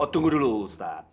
dungu dulu ustadz